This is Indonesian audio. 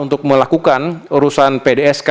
untuk melakukan urusan pdsk